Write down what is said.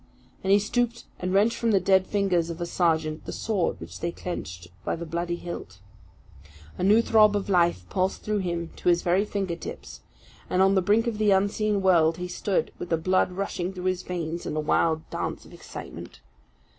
And he stooped and wrenched from the dead fingers of a sergeant the sword which they clenched by the bloody hilt. A new throb of life pulsed through him to his very finger tips; and on the brink of the unseen world he stood, with the blood rushing through his veins in a wild dance of excitement.